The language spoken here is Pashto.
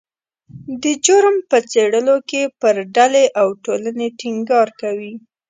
د جرم په څیړلو کې پر ډلې او ټولنې ټینګار کوي